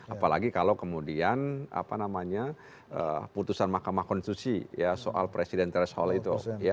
apalagi kalau kemudian apa namanya putusan mahkamah konstitusi ya soal presidential hall itu